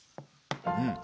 うん。